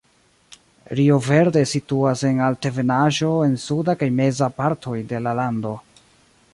Rio Verde situas en altebenaĵo en suda kaj meza partoj de la lando.